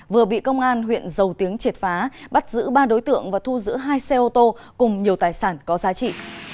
vừa bị công an huyện dầu tiếng triệt phá bắt giữ ba đối tượng và thu giữ hai xe ô tô cùng nhiều tài sản có giá trị